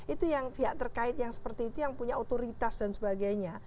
itu yang pihak terkait yang seperti itu yang punya otoritas dan sebagainya